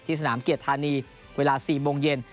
สนามเกียรติธานีเวลา๔โมงเย็น